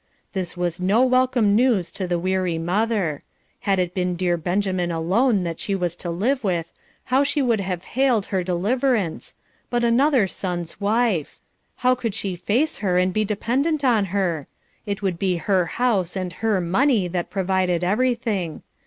This was no welcome news to the weary mother; had it been dear Benjamin alone that she was to live with, how she would have hailed her deliverance, but another son's wife! How could she face her, and be dependent on her? It would be her house and her money that provided everything.